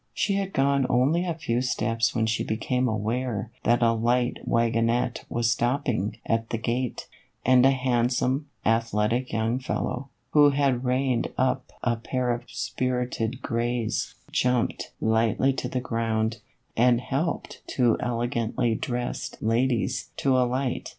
She had gone only a few steps when she became aware that a light wagonette was stopping at the gate, and a handsome, athletic young fellow, who had reined up a pair of spirited grays, jumped lightly to the ground, and helped two elegantly dressed ladies to alight.